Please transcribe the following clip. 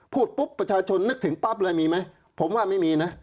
พูดปุ๊บประชาชนนึกถึงปั๊บเลยมีไหมผมว่าไม่มีนะ